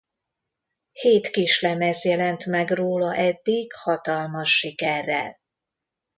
Hét kislemez jelent meg róla eddig hatalmas sikerrel.